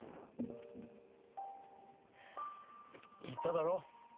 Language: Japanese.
言っただろ